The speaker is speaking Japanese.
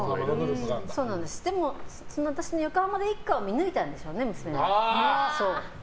でも私の横浜でいっかを見抜いたんでしょうね、娘が。